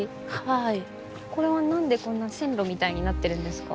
これは何でこんな線路みたいになっているんですか？